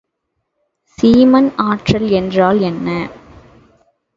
சீமன் ஆற்றல் என்றால் என்ன?